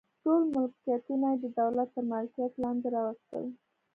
ټول ملکیتونه یې د دولت تر مالکیت لاندې راوستل.